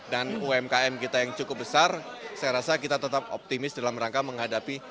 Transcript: umkm kita yang cukup besar saya rasa kita tetap optimis dalam rangka menghadapi